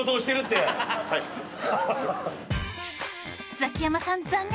ザキヤマさん残念。